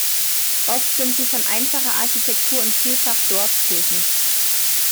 Oft sind sie von einfacher Architektur und vielfach Dorfkirchen.